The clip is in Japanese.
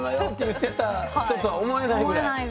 言ってた人とは思えないぐらい。